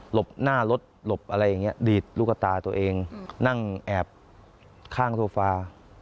บหน้ารถหลบอะไรอย่างนี้ดีดลูกตาตัวเองนั่งแอบข้างโซฟา